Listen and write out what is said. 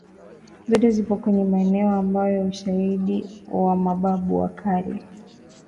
Zote zipo kwenye maeneo ambapo ushaidi wa mababu wa kale